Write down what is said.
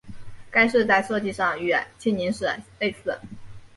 该寺在设计上与庆宁寺类似。